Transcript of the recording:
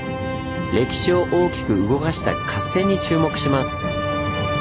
歴史を大きく動かした合戦に注目します。